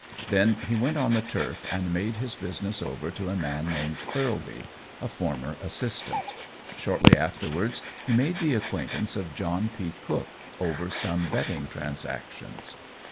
Then he went on the turf, and made his business over to a man named Thirlby, a former assistant. Shortly afterwards, he made the acquaintance of John P. Cook over some betting transactions.